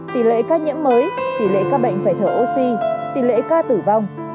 tỷ lệ ca nhiễm mới tỷ lệ ca bệnh phải thở oxy tỷ lệ ca tử vong